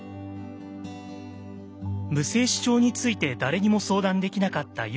無精子症について誰にも相談できなかったユカイさん。